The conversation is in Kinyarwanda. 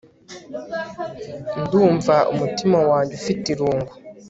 Ndumva umutima wanjye ufite irungu